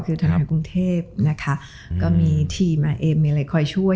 คือธนาคารกรุงเทพฯมีทีมมีอะไรค่อยช่วย